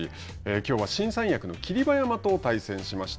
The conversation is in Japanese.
きょうは新三役の霧馬山と対戦しました。